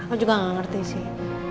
aku juga gak ngerti sih